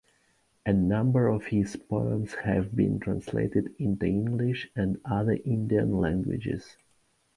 A number of his poems have been translated into English and other Indian languages.